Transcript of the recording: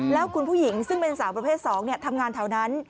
แล้วคุณผู้หญิงซึ่งเป็นสาวประเภท๒ทำงานแถวนั้น